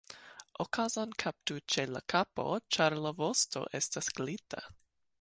Okazon kaptu ĉe l' kapo, ĉar la vosto estas glita.